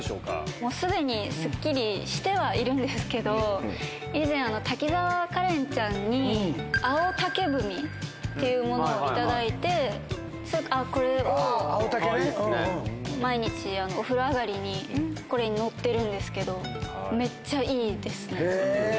もうすでにスッキリしてはいるんですけど、以前、滝沢カレンちゃんに、青竹踏みっていうものを頂いて、あっ、これを毎日、お風呂上がりにこれに乗ってるんですけど、めっちゃいいですね。